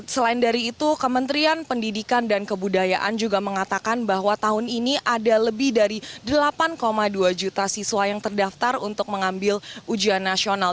selain dari itu kementerian pendidikan dan kebudayaan juga mengatakan bahwa tahun ini ada lebih dari delapan dua juta siswa yang terdaftar untuk mengambil ujian nasional